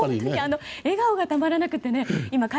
笑顔がたまらなくて。